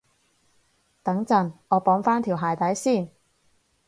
等陣，我綁返條鞋帶先